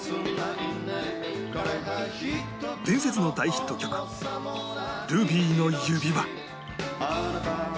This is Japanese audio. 伝説の大ヒット曲『ルビーの指環』